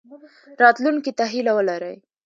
راتلونکي ته هیله ولرئ